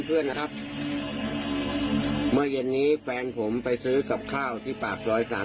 เมื่อเย็นนี้แฟนผมไปซื้อกับข้าวที่ปาก๑๓๙